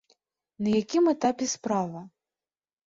На якім этапе справа?